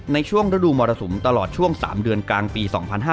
ในช่วงฤดูมรสุมตลอดช่วง๓เดือนกลางปี๒๕๕๙